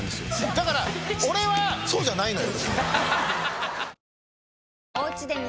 だから俺はそうじゃないのよ。